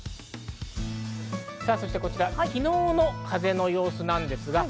そしてこちらは昨日の風の様子なんです。